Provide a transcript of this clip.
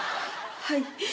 はい。